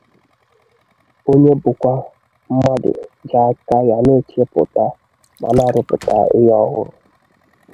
onye bụkwa mmadụ ji aka ya na-echepụta ma na-arụpụta ihe ọhụrụ